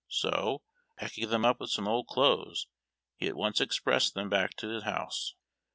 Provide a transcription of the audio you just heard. So, packing them up with some old clothes, he at once expressed them back to his home.